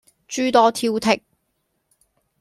諸多挑剔